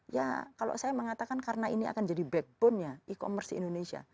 ya kalau saya mengatakan karena ini akan jadi backbone nya e commerce indonesia